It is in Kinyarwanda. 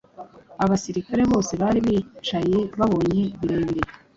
Abasirikare bose bari bicaye babonye birebire